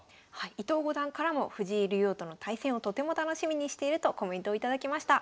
伊藤五段からも藤井竜王との対戦をとても楽しみにしているとコメントを頂きました。